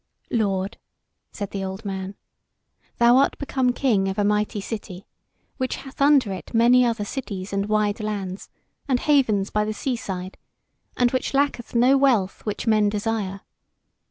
"Lord," said the old man, "thou art become king of a mighty city, which hath under it many other cities and wide lands, and havens by the sea side, and which lacketh no wealth which men desire.